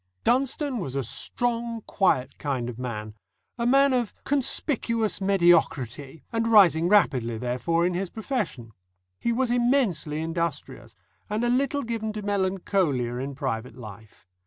Dunstone was a strong, quiet kind of man a man of conspicuous mediocrity, and rising rapidly, therefore, in his profession. He was immensely industrious, and a little given to melancholia in private life.